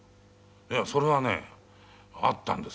いやそれはねあったんです